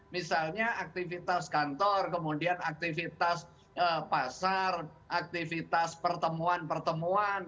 misalnya aktivitas kantor kemudian aktivitas pasar aktivitas pertemuan pertemuan